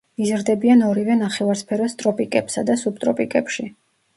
იზრდებიან ორივე ნახევარსფეროს ტროპიკებსა და სუბტროპიკებში.